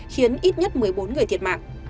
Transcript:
khiến ít nhất một mươi bốn người thiệt mạng